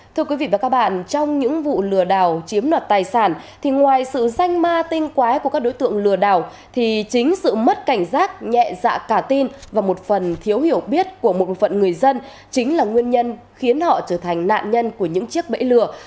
thưa quý vị và các bạn trong những vụ lừa đảo chiếm đoạt tài sản thì ngoài sự danh ma tinh quái của các đối tượng lừa đảo thì chính sự mất cảnh giác nhẹ dạ cả tin và một phần thiếu hiểu biết của một phận người dân chính là nguyên nhân khiến họ trở thành nạn nhân của những chiếc bẫy lừa